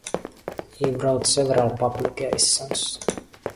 He wrote several publications.